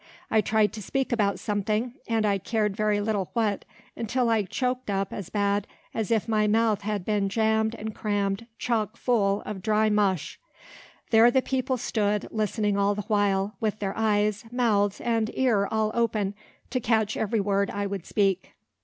I tried to speak about something, and I cared very little what, until I choaked up as bad as if my mouth had been jam'd and cram'd chock full of dry mush. There the people stood, listening all the while, with their eyes, mouths and ear all open, to catch every word I would speak.